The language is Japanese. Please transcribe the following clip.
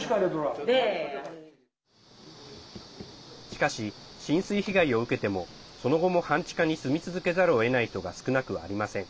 しかし、浸水被害を受けてもその後も半地下に住み続けざるをえない人が少なくありません。